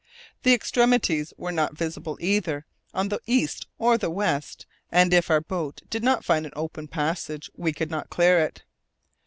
The extremities were not visible either on the east or the west, and if our boat did not find an open passage, we could not clear it.